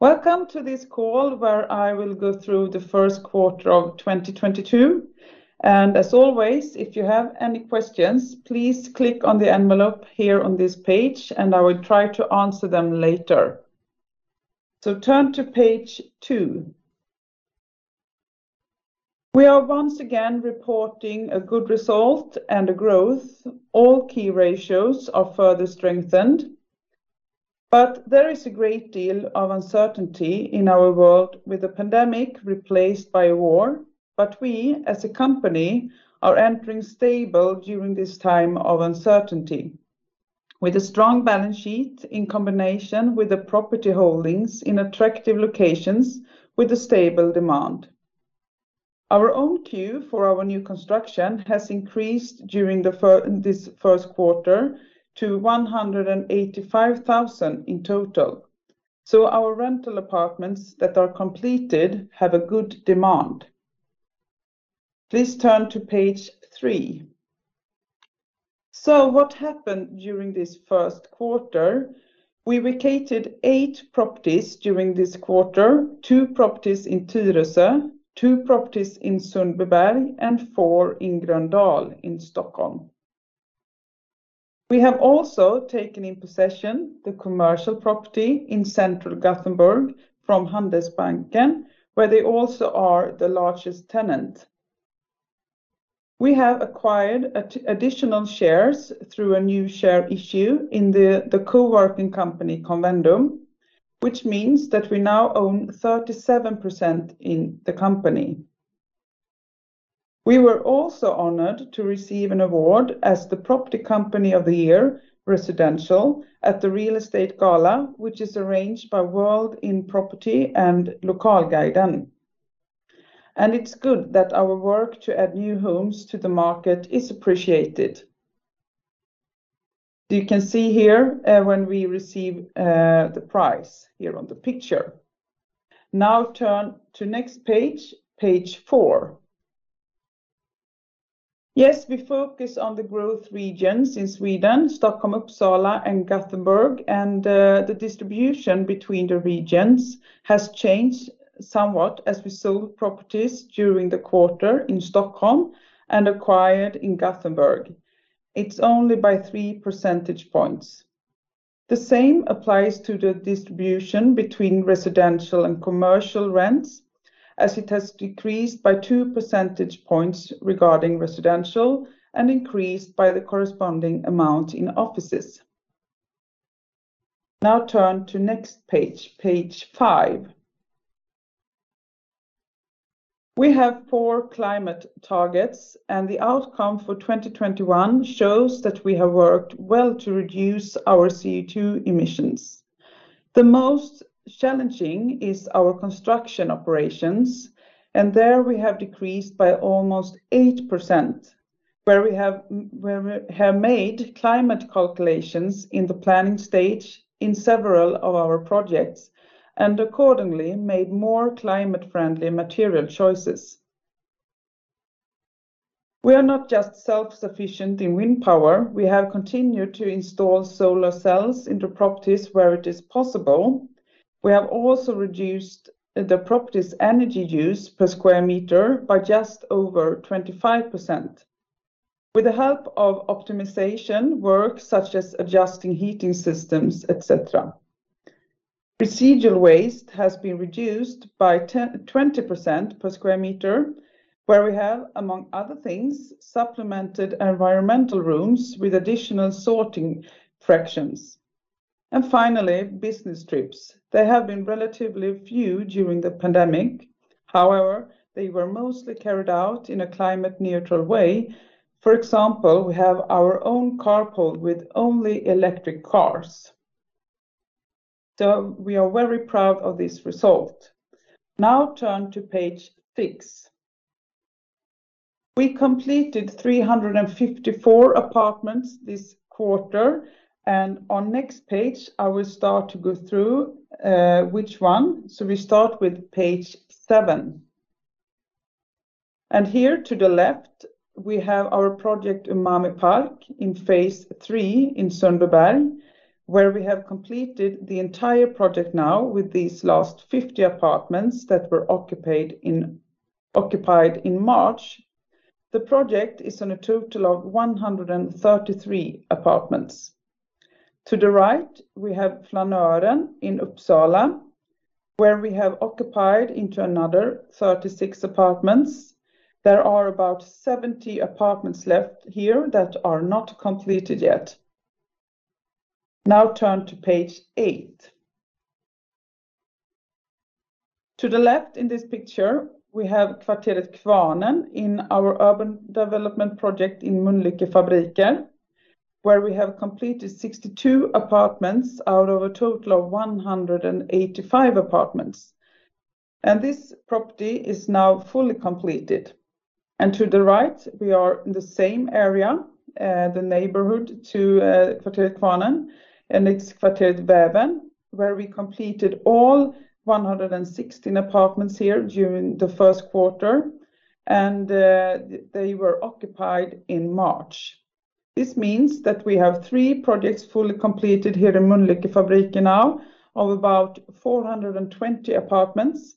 Welcome to this call where I will go through the first quarter of 2022. As always, if you have any questions, please click on the envelope here on this page, and I will try to answer them later. Turn to page 2. We are once again reporting a good result and a growth. All key ratios are further strengthened. There is a great deal of uncertainty in our world with the pandemic replaced by war. We, as a company, are entering stably during this time of uncertainty, with a strong balance sheet in combination with the property holdings in attractive locations with a stable demand. Our own queue for our new construction has increased during this first quarter to 185,000 in total. Our rental apartments that are completed have a good demand. Please turn to page 3. What happened during this first quarter? We vacated eight properties during this quarter, two properties in Tyresö, two properties in Sundbyberg, and four in Gröndal in Stockholm. We have also taken in possession the commercial property in central Gothenburg from Handelsbanken, where they also are the largest tenant. We have acquired additional shares through a new share issue in the co-working company, Convendum, which means that we now own 37% in the company. We were also honored to receive an award as the Property Company of the Year Residential at the Real Estate Gala, which is arranged by World in Property and Lokalguiden. It's good that our work to add new homes to the market is appreciated. You can see here, when we receive, the prize here on the picture. Now turn to next page four. Yes, we focus on the growth regions in Sweden, Stockholm, Uppsala, and Gothenburg, and the distribution between the regions has changed somewhat as we sold properties during the quarter in Stockholm and acquired in Gothenburg. It's only by 3 percentage points. The same applies to the distribution between residential and commercial rents, as it has decreased by 2 percentage points regarding residential and increased by the corresponding amount in offices. Now turn to next page five. We have four climate targets, and the outcome for 2021 shows that we have worked well to reduce our CO2 emissions. The most challenging is our construction operations, and there we have decreased by almost 8%, where we have made climate calculations in the planning stage in several of our projects, and accordingly made more climate-friendly material choices. We are not just self-sufficient in wind power. We have continued to install solar cells into properties where it is possible. We have also reduced the property's energy use per sq m by just over 25% with the help of optimization work such as adjusting heating systems, etc. Residual waste has been reduced by 20% per sq m, where we have, among other things, supplemented environmental rooms with additional sorting fractions. Finally, business trips. They have been relatively few during the pandemic. However, they were mostly carried out in a climate-neutral way. For example, we have our own car pool with only electric cars. We are very proud of this result. Now turn to page 6. We completed 354 apartments this quarter, and on next page, I will start to go through, which one. We start with page 7. Here to the left, we have our project in Umami Park in phase three in Sundbyberg, where we have completed the entire project now with these last 50 apartments that were occupied in March. The project is on a total of 133 apartments. To the right, we have Flanören in Uppsala, where we have occupied into another 36 apartments. There are about 70 apartments left here that are not completed yet. Now turn to page eight. To the left in this picture, we have Kvarteret Kvarnen in our urban development project in Mölnlycke Fabriker, where we have completed 62 apartments out of a total of 185 apartments. This property is now fully completed. To the right, we are in the same area, the neighborhood to Kvarteret Kvarnen, and it's Kvarteret Väven, where we completed all 116 apartments here during the first quarter, and they were occupied in March. This means that we have three projects fully completed here in Mölnlycke Fabriker now of about 420 apartments.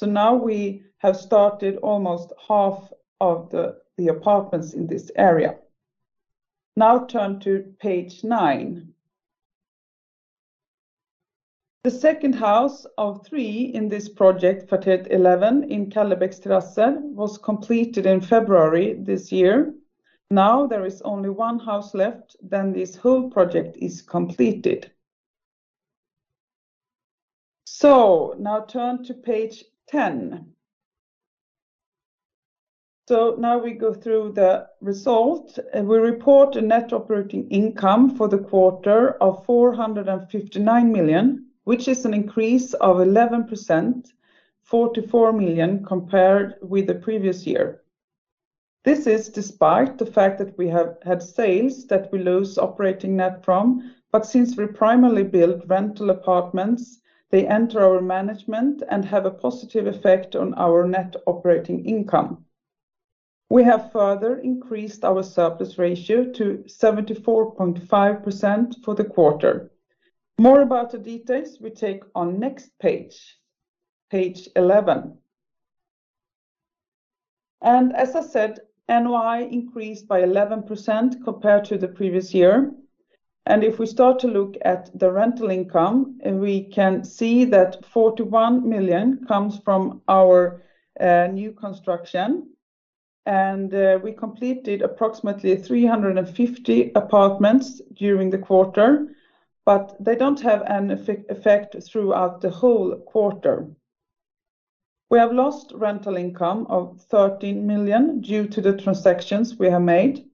Now we have started almost half of the apartments in this area. Now turn to page 9. The second house of three in this project, Kvarteret Elvan in Kallebäcks Terrasser, was completed in February this year. Now, there is only one house left, then this whole project is completed. Now turn to page 10. Now we go through the result, and we report a net operating income for the quarter of 459 million, which is an increase of 11%, 44 million, compared with the previous year. This is despite the fact that we have had sales that we lose net operating income from. Since we primarily build rental apartments, they enter our management and have a positive effect on our net operating income. We have further increased our surplus ratio to 74.5% for the quarter. More about the details we take on next page 11. As I said, NOI increased by 11% compared to the previous year. If we start to look at the rental income, we can see that 41 million comes from our new construction. We completed approximately 350 apartments during the quarter, but they don't have an effect throughout the whole quarter. We have lost rental income of 13 million due to the transactions we have made.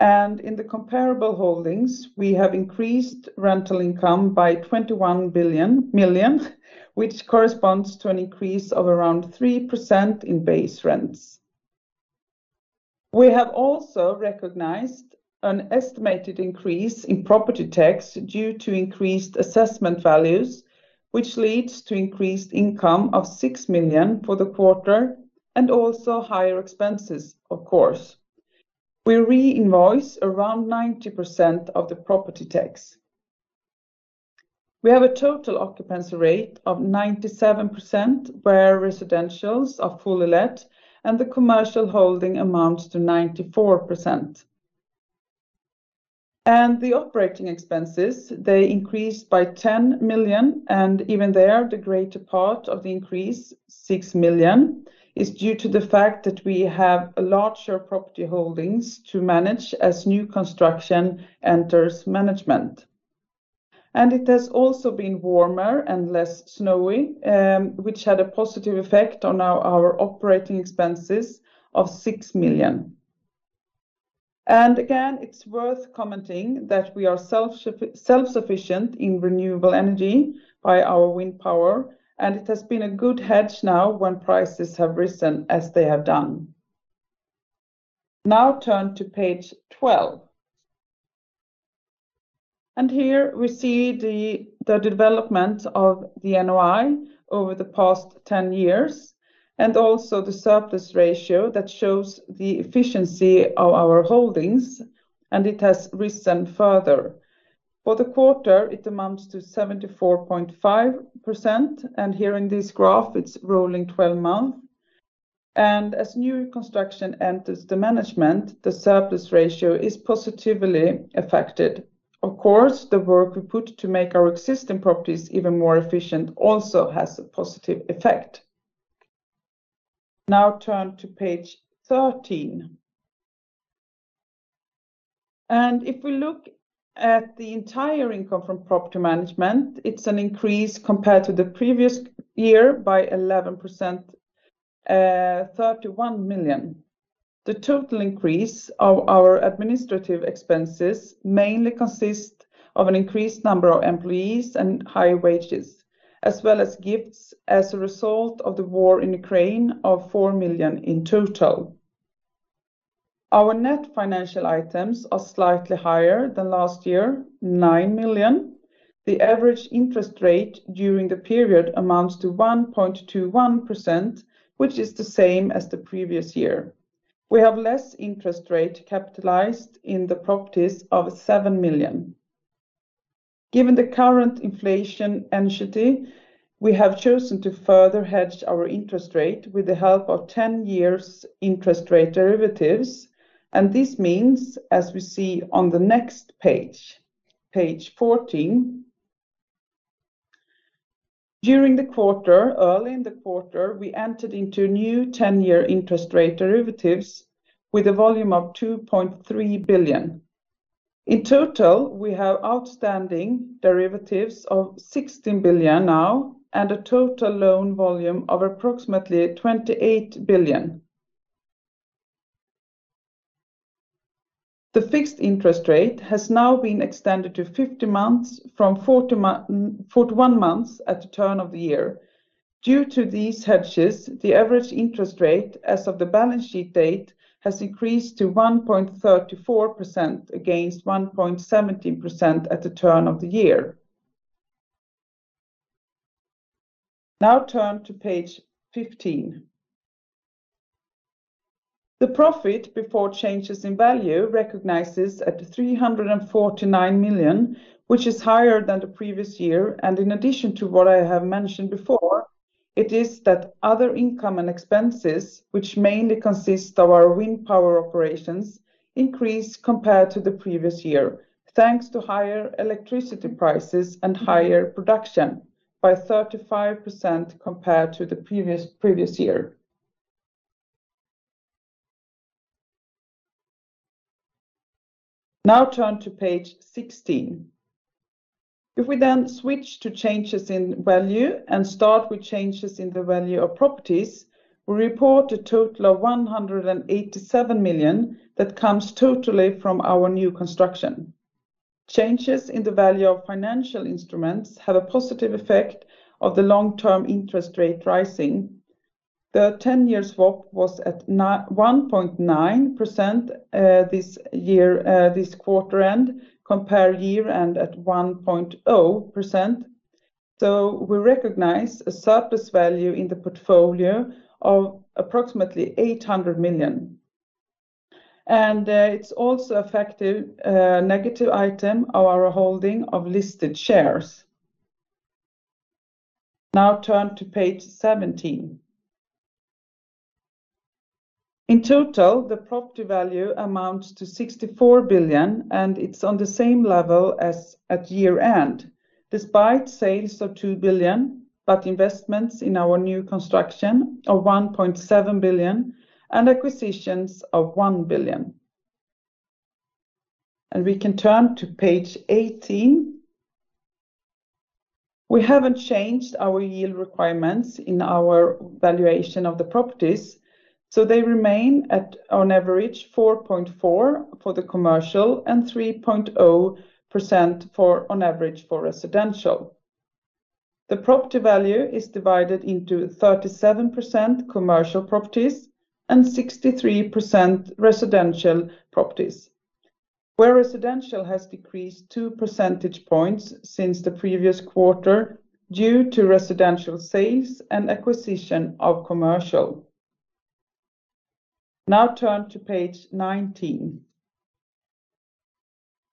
In the comparable holdings, we have increased rental income by 21 million, which corresponds to an increase of around 3% in base rents. We have also recognized an estimated increase in property tax due to increased assessment values, which leads to increased income of 6 million for the quarter and also higher expenses, of course. We reinvoice around 90% of the property tax. We have a total occupancy rate of 97%, where residentials are fully let, and the commercial holding amounts to 94%. The operating expenses, they increased by 10 million, and even there, the greater part of the increase, 6 million, is due to the fact that we have larger property holdings to manage as new construction enters management. It has also been warmer and less snowy, which had a positive effect on our operating expenses of 6 million. Again, it's worth commenting that we are self-sufficient in renewable energy by our wind power, and it has been a good hedge now when prices have risen as they have done. Now turn to page 12. Here we see the development of the NOI over the past 10 years and also the surplus ratio that shows the efficiency of our holdings, and it has risen further. For the quarter, it amounts to 74.5%, and here in this graph, it's rolling 12 months. As new construction enters the management, the surplus ratio is positively affected. Of course, the work we put to make our existing properties even more efficient also has a positive effect. Now turn to page 13. If we look at the entire income from property management, it's an increase compared to the previous year by 11%, 31 million. The total increase of our administrative expenses mainly consist of an increased number of employees and high wages, as well as gifts as a result of the war in Ukraine of 4 million in total. Our net financial items are slightly higher than last year, 9 million. The average interest rate during the period amounts to 1.21%, which is the same as the previous year. We have less interest rate capitalized in the properties of 7 million. Given the current inflation environment, we have chosen to further hedge our interest rate with the help of ten-year interest rate derivatives. This means, as we see on the next page fourteen. During the quarter, early in the quarter, we entered into new ten-year interest rate derivatives with a volume of 2.3 billion. In total, we have outstanding derivatives of 16 billion now and a total loan volume of approximately 28 billion. The fixed interest rate has now been extended to fifty months from forty-one months at the turn of the year. Due to these hedges, the average interest rate as of the balance sheet date has increased to 1.34% against 1.17% at the turn of the year. Now turn to page 15. The profit before changes in value recognizes at 349 million, which is higher than the previous year. In addition to what I have mentioned before, it is that other income and expenses, which mainly consist of our wind power operations, increased compared to the previous year, thanks to higher electricity prices and higher production by 35% compared to the previous year. Now turn to page 16. If we then switch to changes in value and start with changes in the value of properties, we report a total of 187 million that comes totally from our new construction. Changes in the value of financial instruments have a positive effect of the long-term interest rate rising. The ten-year swap was at 1.9%, this year, this quarter end, compared year-end at 1.0%. We recognize a surplus value in the portfolio of approximately 800 million. It's also affected negatively by our holding of listed shares. Turn to page 17. In total, the property value amounts to 64 billion, and it's on the same level as at year-end, despite sales of 2 billion, but investments in our new construction of 1.7 billion and acquisitions of 1 billion. We can turn to page 18. We haven't changed our yield requirements in our valuation of the properties, so they remain at on average 4.4% for the commercial and 3.0% on average for residential. The property value is divided into 37% commercial properties and 63% residential properties, where residential has decreased 2 percentage points since the previous quarter due to residential sales and acquisition of commercial. Now turn to page 19.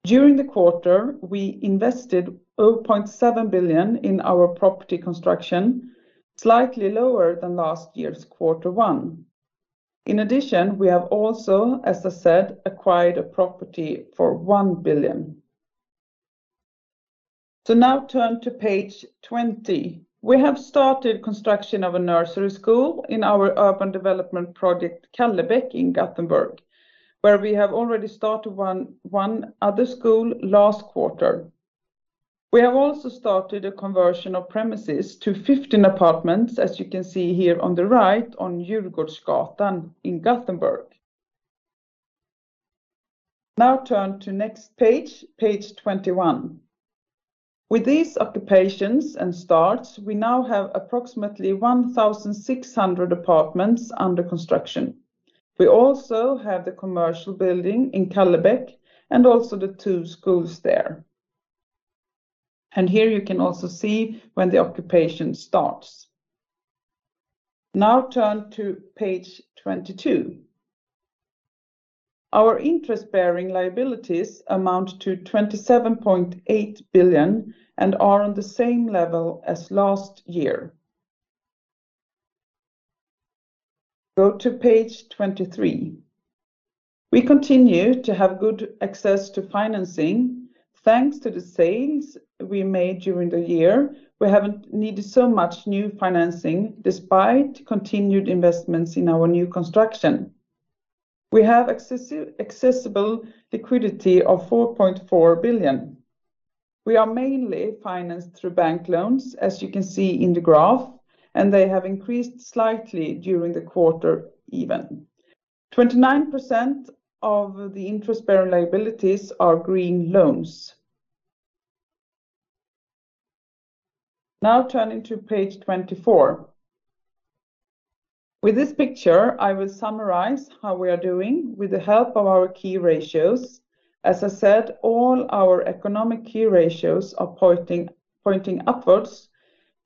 During the quarter, we invested 0.7 billion in our property construction, slightly lower than last year's quarter one. In addition, we have also, as I said, acquired a property for 1 billion. Now turn to page 20. We have started construction of a nursery school in our urban development project, Kallebäcks in Gothenburg, where we have already started one other school last quarter. We have also started a conversion of premises to 15 apartments, as you can see here on the right on Djurgårdsgatan in Gothenburg. Now turn to next page 21. With these occupations and starts, we now have approximately 1,600 apartments under construction. We also have the commercial building in Kallebäcks and also the two schools there. Here you can also see when the occupation starts. Now turn to page 22. Our interest-bearing liabilities amount to 27.8 billion and are on the same level as last year. Go to page 23. We continue to have good access to financing. Thanks to the sales we made during the year, we haven't needed so much new financing despite continued investments in our new construction. We have accessible liquidity of 4.4 billion. We are mainly financed through bank loans, as you can see in the graph, and they have increased slightly during the quarter even. 29% of the interest-bearing liabilities are green loans. Now turning to page 24. With this picture, I will summarize how we are doing with the help of our key ratios. As I said, all our economic key ratios are pointing upwards.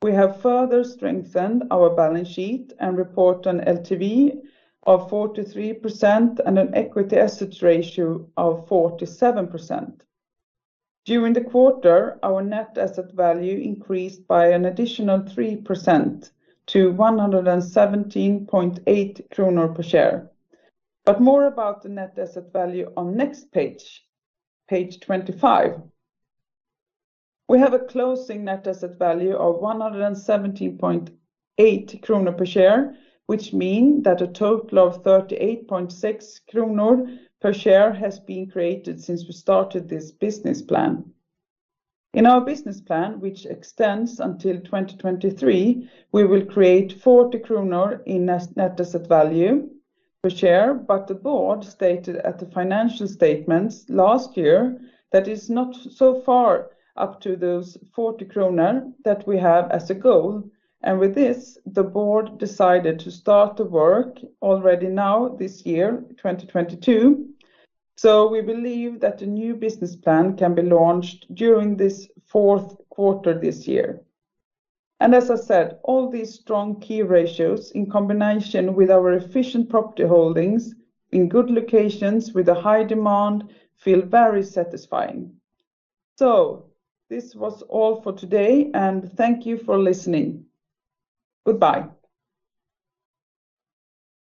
We have further strengthened our balance sheet and report an LTV of 43% and an equity/assets ratio of 47%. During the quarter, our net asset value increased by an additional 3% to 117.8 kronor per share. More about the net asset value on next page 25. We have a closing net asset value of 117.8 kronor per share, which mean that a total of 38.6 kronor per share has been created since we started this business plan. In our business plan, which extends until 2023, we will create 40 kronor in net asset value per share, but the board stated at the financial statements last year that it's not so far up to those 40 kronor that we have as a goal. With this, the board decided to start the work already now this year, 2022. We believe that the new business plan can be launched during this fourth quarter this year. As I said, all these strong key ratios, in combination with our efficient property holdings in good locations with a high demand, feel very satisfying. This was all for today, and thank you for listening. Goodbye.